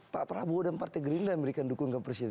pak prabowo dan partai gerindra yang memberikan dukungan ke presiden